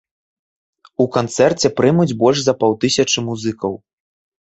У канцэрце прымуць больш за паўтысячы музыкаў.